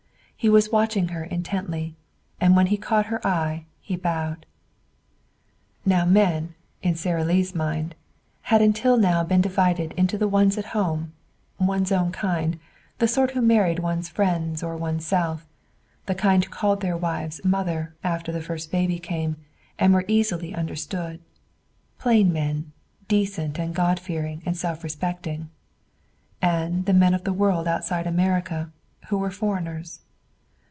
He was watching her intently, and when he caught her eye he bowed. Now men, in Sara Lee's mind, had until now been divided into the ones at home, one's own kind, the sort who married one's friends or oneself, the kind who called their wives "mother" after the first baby came, and were easily understood, plain men, decent and God fearing and self respecting; and the men of that world outside America, who were foreigners.